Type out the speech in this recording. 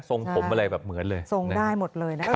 ทรงผมอะไรแบบเหมือนเลย